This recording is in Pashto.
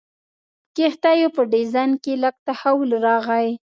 په کښتیو په ډیزاین کې لږ تحول راغی.